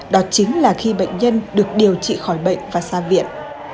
đó chính là khi bệnh nhân được điều trị khỏi bệnh và ra viện